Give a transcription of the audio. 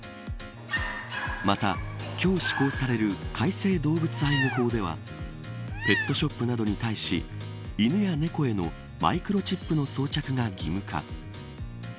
また、今日施行される改正動物愛護法ではペットショップなどに対し犬や猫へのマイクロチップの装着が義務化。